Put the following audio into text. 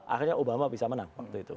akhirnya obama bisa menang waktu itu